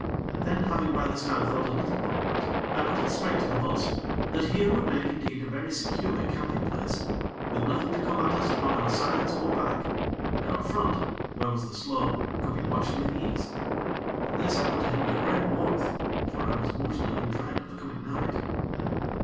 Then, having by this time thought a little upon the matter, I put it straight to the bo'sun that here would make indeed a very secure camping place, with nothing to come at us upon our sides or back; and our front, where was the slope, could be watched with ease. And this I put to him with great warmth; for I was mortally in dread of the coming night.